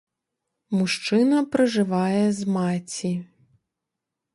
Мужчына пражывае з маці.